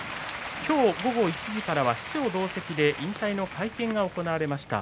今日、午後１時からは師匠同席で引退の会見が行われました。